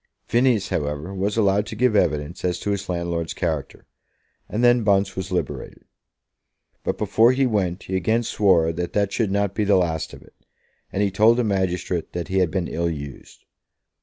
Phineas, however, was allowed to give evidence as to his landlord's character, and then Bunce was liberated. But before he went he again swore that that should not be the last of it, and he told the magistrate that he had been ill used.